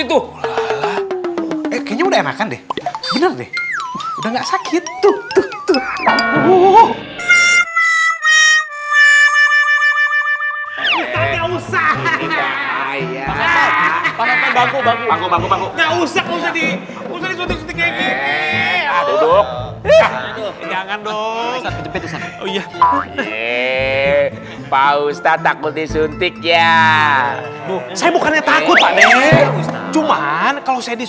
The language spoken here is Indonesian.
tuh kayaknya udah makan deh bener deh udah nggak sakit tuh tuh tuh